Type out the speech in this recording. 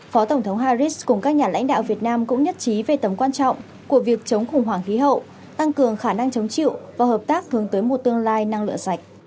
phó tổng thống harris cùng các nhà lãnh đạo việt nam cũng nhất trí về tầm quan trọng của việc chống khủng hoảng khí hậu tăng cường khả năng chống chịu và hợp tác hướng tới một tương lai năng lượng sạch